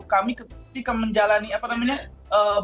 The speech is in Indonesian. kami ketika menjalani apa namanya